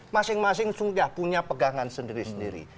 masing masing sudah punya pegangan sendiri sendiri